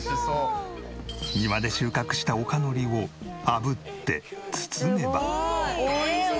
庭で収穫した陸海苔を炙って包めば。